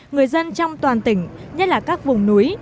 người dân trong toàn tỉnh nhất là các vùng núi